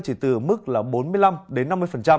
chỉ từ mức bốn mươi năm đến năm mươi